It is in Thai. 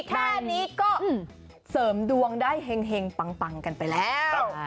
แค่นี้ก็เสริมดวงได้เห็งปังกันไปแล้ว